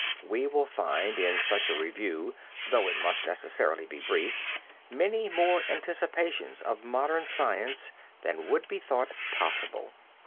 We will find in such a review though it must necessarily be brief many more anticipations of modern science than would be thought possible.